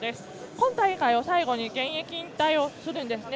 今大会を最後に現役引退するんですね。